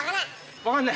わかんない？